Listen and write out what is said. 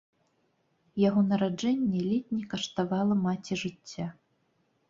Яго нараджэнне ледзь не каштавала маці жыцця.